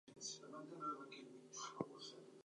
When I went to bed, I cried.